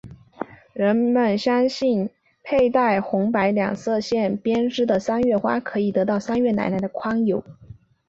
人们相信佩戴红白两色线绳编织的三月花可以得到三月奶奶的宽宥。